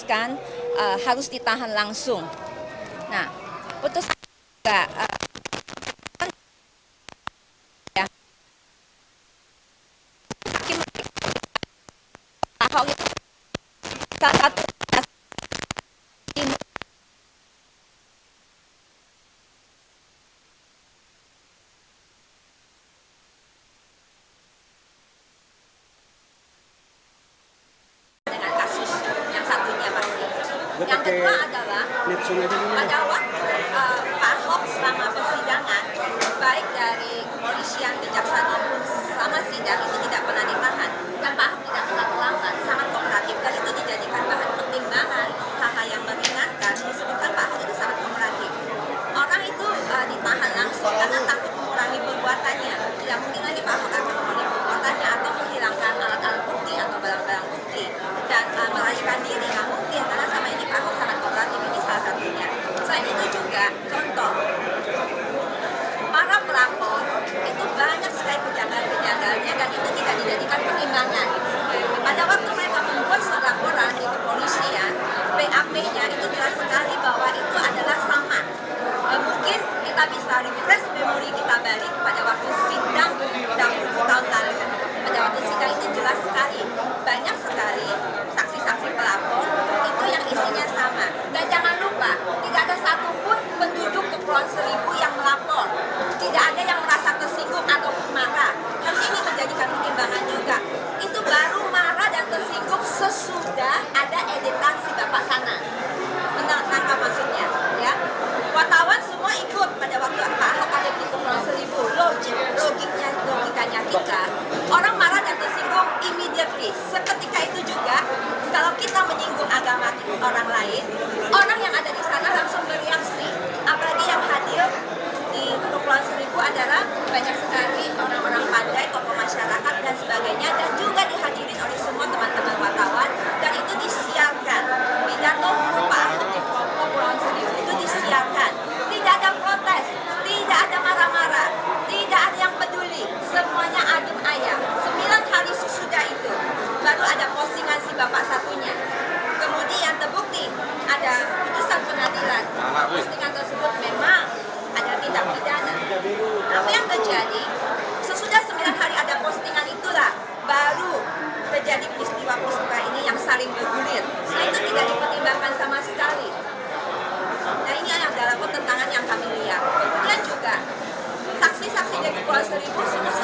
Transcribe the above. dan tentang sw dua m yg berantakan yang pink berbukan mengupbuat beberapa luar biasa bahwa tidak berrifat